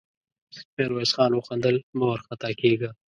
ميرويس خان وخندل: مه وارخطا کېږه!